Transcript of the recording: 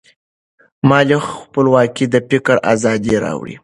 مالي خپلواکي د فکر ازادي راوړي.